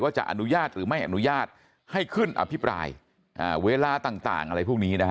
จะอนุญาตหรือไม่อนุญาตให้ขึ้นอภิปรายเวลาต่างอะไรพวกนี้นะฮะ